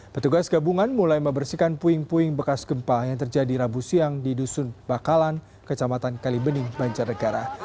petugas gabungan mulai membersihkan puing puing bekas gempa yang terjadi rabu siang di dusun bakalan kecamatan kalibening banjarnegara